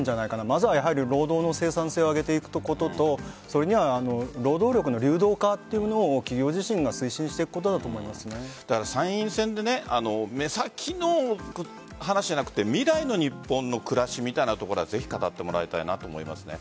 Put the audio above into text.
まずは労働の生産性を上げていくこととそれには労働力の流動化というものを企業自身が参院選で目先の話じゃなくて未来の日本の暮らしみたいなところはぜひ語ってもらいたいと思います。